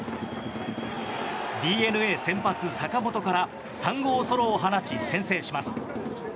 ＤｅＮＡ先発、坂本から３号ソロを放ち、先制します。